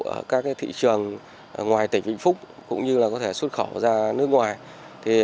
ở các thị trường ngoài tỉnh vĩnh phúc cũng như có thể xuất khẩu ra nước ngoài